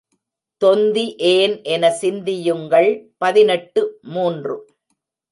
தொந்தி ஏன் என சிந்தியுங்கள் பதினெட்டு மூன்று.